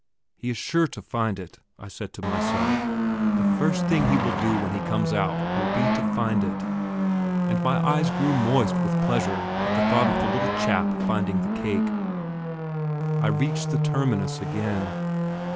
He is sure to find it, I said to myself; the first thing he will do when he comes out will be to find it. And my eyes grew moist with pleasure at the thought of the little chap finding the cake. I reached the terminus again.